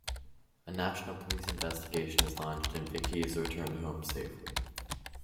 A national police investigation is launched and Vicki is returned home safely.